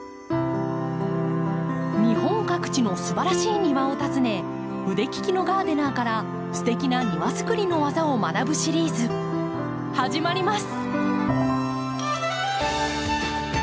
日本各地のすばらしい庭を訪ね腕利きのガーデナーからすてきな庭づくりの技を学ぶシリーズ始まります！